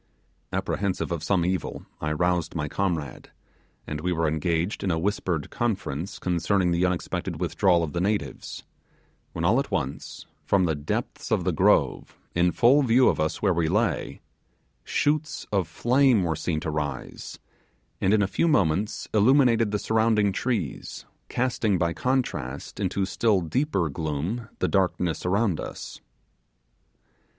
Apprehensive of some evil, I roused my comrade, and we were engaged in a whispered conference concerning the unexpected withdrawal of the natives when all at once, from the depths of the grove, in full view of us where we lay, shoots of flame were seen to rise, and in a few moments illuminated the surrounding trees, casting, by contrast, into still deeper gloom the darkness around us.